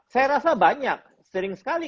saya rasa banyak sering sekali